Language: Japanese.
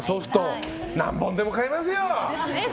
何本でも買えますよ。